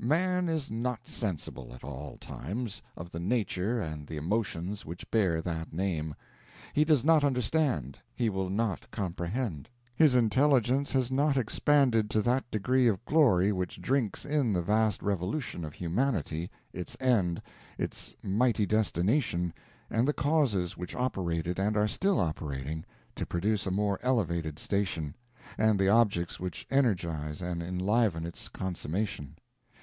Man is not sensible, at all times, of the nature and the emotions which bear that name; he does not understand, he will not comprehend; his intelligence has not expanded to that degree of glory which drinks in the vast revolution of humanity, its end, its mighty destination, and the causes which operated, and are still operating, to produce a more elevated station, and the objects which energize and enliven its consummation.